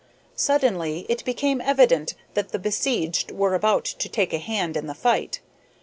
Suddenly it became evident that the besieged were about to take a hand in the fight.